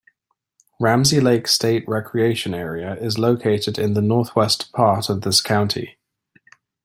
Ramsey Lake State Recreation Area is located in the northwest part of this county.